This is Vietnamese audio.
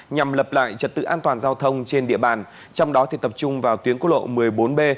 nhằm lập lại trật tự an toàn giao thông trên địa bàn trong đó tập trung vào tuyến quốc lộ một mươi bốn b